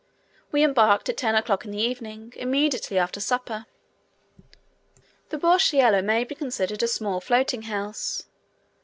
We embarked at ten o'clock in the evening, immediately after supper. The 'burchiello' may be considered a small floating house.